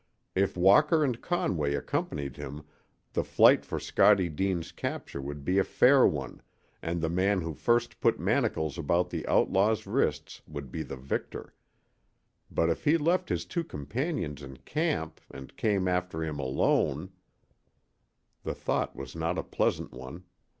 If Walker and Conway accompanied him the fight for Scottie Deane's capture would be a fair one, and the man who first put manacles about the outlaw's wrists would be the victor. But if he left his two companions in camp and came after him alone The thought was not a pleasant one.